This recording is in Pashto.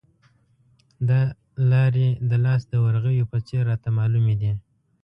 دا لارې د لاس د ورغوي په څېر راته معلومې دي.